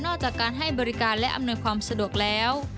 นอกจากการให้บริการความสะดวกแล้ว